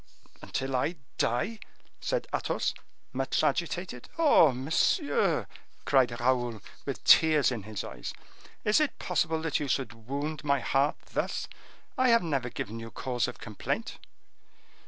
"Until I die?" said Athos, much agitated. "Oh! monsieur," cried Raoul, with tears in his eyes, "is it possible that you should wound my heart thus? I have never given you cause of complaint!"